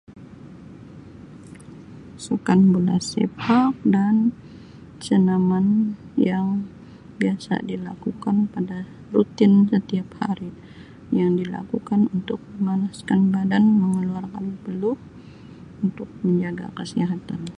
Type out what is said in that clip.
Sukan bola sepak dan senaman yang biasa dilakukan pada rutin setiap hari yang dilakukan untuk memanaskan badan mengeluarkan peluh untuk menjaga kesihatan.